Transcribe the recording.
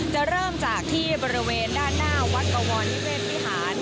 จะเริ่มจากที่บริเวณด้านหน้าวัดบวรนิเวศวิหาร